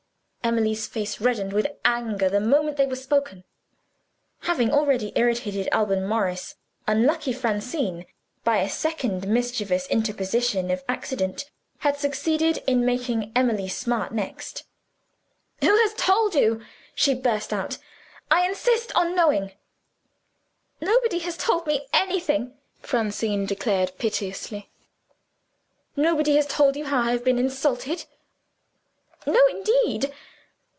Emily's face reddened with anger the moment they were spoken. Having already irritated Alban Morris, unlucky Francine, by a second mischievous interposition of accident, had succeeded in making Emily smart next. "Who has told you," she burst out; "I insist on knowing!" "Nobody has told me anything!" Francine declared piteously. "Nobody has told you how I have been insulted?" "No, indeed!